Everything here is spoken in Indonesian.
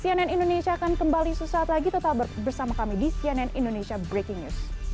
cnn indonesia akan kembali sesaat lagi tetap bersama kami di cnn indonesia breaking news